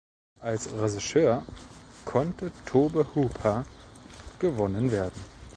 Als Regisseur konnte Tobe Hooper gewonnen werden.